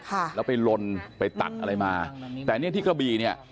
ค่ะแล้วไปลนไปตัดอะไรมาแต่เนี้ยที่กระบี่เนี้ย